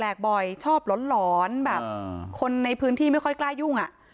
แบกบอยชอบร้อนคนในพื้นที่ไม่ค่อยกล้ายุ่ง